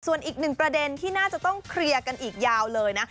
ส่วนอีกหนึ่งประเด็นที่น่าจะต้องเคลียร์กันอีกยาวเลยนะ